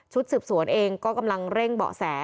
สืบสวนเองก็กำลังเร่งเบาะแส